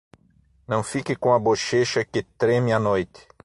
Não fique com a bochecha que treme à noite.